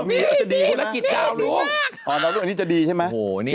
มีอันดับนี้จะดีใช่ไหม